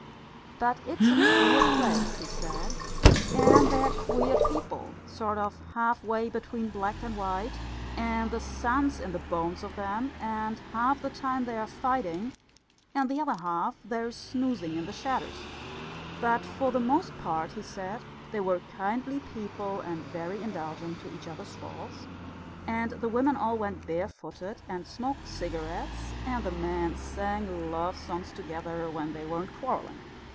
"But it's a queer place," he said, "and they're queer people, sort of half way between black and white, and the sun's in the bones of them, and half the time they're fighting, and the other half they're snoozing in the shadders." But for the most part, he said, they were kindly people and very indulgent to each other's faults; and the women all went barefooted and smoked cigarettes, and the men sang love songs together when they weren't quarrelling.